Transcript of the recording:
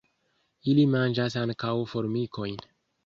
Ili manĝas ankaŭ formikojn.